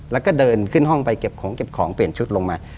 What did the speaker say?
แล้วก็เดินขึ้นห้องไปเก็บของเก็บของเปลี่ยนชุดลงมา